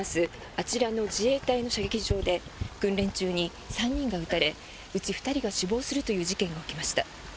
あちらの自衛隊の射撃場で訓練中に３人が撃たれうち２人が死亡するという事件が起きました。